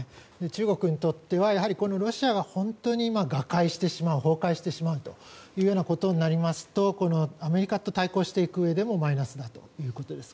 中国にとってはロシアが本当に瓦解してしまう崩壊してしまうということになりますとアメリカと対抗していくうえではマイナスになるということです。